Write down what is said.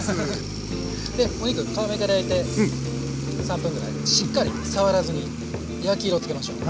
でお肉皮目から焼いて３分ぐらいしっかり触らずに焼き色つけましょう。